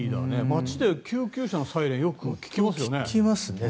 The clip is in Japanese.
街で救急車のサイレンよく聞きますよね。